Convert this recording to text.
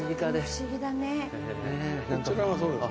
不思議だね。